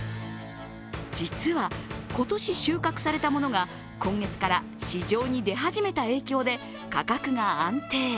実は、今年収穫されたものが今月から市場に出始めた影響で価格が安定。